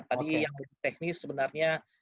tadi yang teknis sebenarnya